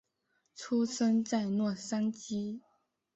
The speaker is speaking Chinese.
出生在洛杉矶。